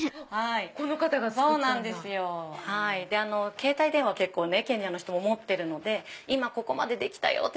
携帯電話をケニアの人も持ってるので今ここまでできたよ！って